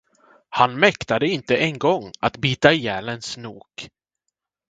Han mäktade inte en gång att bita ihjäl en snok.